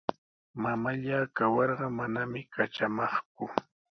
Mamallaa kawarqa manami katramaqku.